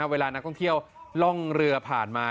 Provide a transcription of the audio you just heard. เวลานักท่องเที่ยวล่องเรือผ่านมา